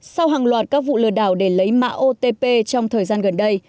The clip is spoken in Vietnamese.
sau hàng loạt các vụ lừa đảo để lấy mã otp trong thời gian gần đây